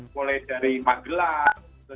mulai dari magelang